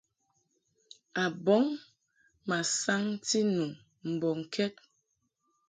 A bɔŋ ma saŋti nu mbɔŋkɛd.